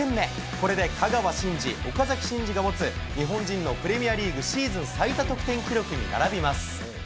これで香川真司、岡崎慎司が持つ日本人のプレミアリーグシーズン最多得点記録に並びます。